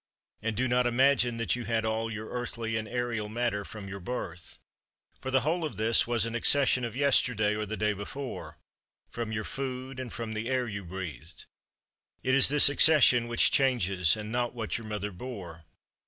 And do not imagine that you had all your earthy and aerial matter from your birth. For the whole of this was an accession of yesterday or the day before, from your food and from the air you breathed. It is this accession which changes, and not what your mother bore.